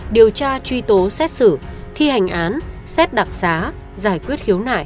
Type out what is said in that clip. điều tra truy tố xét xử thi hành án xét đặc xá giải quyết khiếu nại